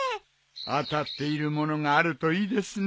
当たっている物があるといいですね。